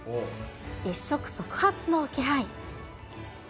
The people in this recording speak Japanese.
一触即発の気配。